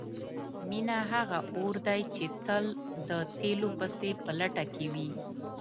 مینه هغه اور دی چې تل د تیلو پسې په لټه کې وي.